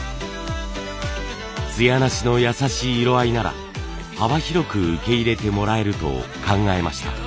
艶なしの優しい色合いなら幅広く受け入れてもらえると考えました。